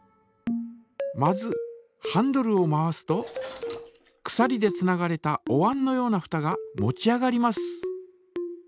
まずハンドルを回すとくさりでつながれたおわんのようなふたが持ち上がります。